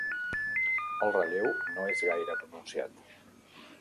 El relleu no és gaire pronunciat.